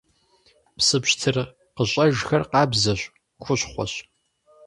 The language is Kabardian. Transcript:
Псы пщтыр къыщӀэжхэр къабзэщ, хущхъуэщ.